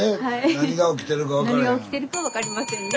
何が起きてるか分かりませんね。